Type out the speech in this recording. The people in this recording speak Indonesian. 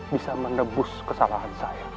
bisa menebus kesalahan saya